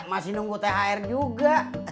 masih nunggu thr juga